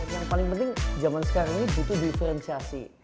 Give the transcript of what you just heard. yang paling penting zaman sekarang ini butuh diferensiasi